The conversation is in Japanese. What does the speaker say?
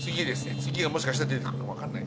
次がもしかしたら出て来るかも分かんない。